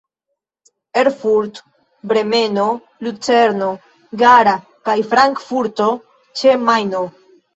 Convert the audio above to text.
Erfurt, Bremeno, Lucerno, Gera kaj Frankfurto ĉe Majno.